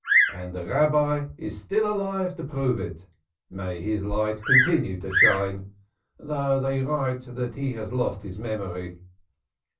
And the Rabbi is still alive to prove it may his light continue to shine though they write that he has lost his memory."